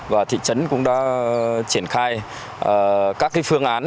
và thị trấn cũng đã triển khai các phương án